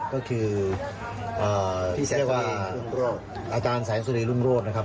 ก็คืออาจารย์แสงสุรีรุ่นโรธนะครับ